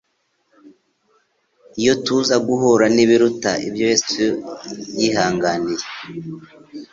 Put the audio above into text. Iyo tuza guhura n'ibiruta ibyo Yesu yihanganiye,